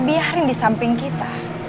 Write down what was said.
biarin di samping kita